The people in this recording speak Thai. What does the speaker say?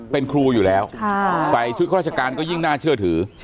เป็นครูอยู่แล้วใส่ชุดข้าราชการก็ยิ่งน่าเชื่อถือ